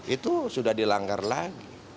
itu sudah dilanggar lagi